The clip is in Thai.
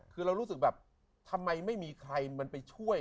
คือเรารู้สึกแบบทำไมไม่มีใครมันไปช่วย